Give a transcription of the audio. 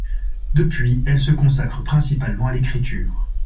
Depuis, elle se consacre principalement à l'écriture.